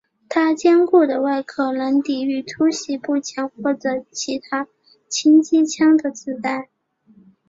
他坚固的外壳能抵御突袭步枪或者其他轻机枪的子弹。